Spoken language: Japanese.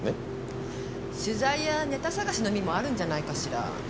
取材やネタ探しの意味もあるんじゃないかしら。